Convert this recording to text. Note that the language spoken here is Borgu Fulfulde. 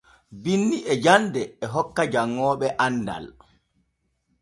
Binni e jande e hokka janŋooɓe andal.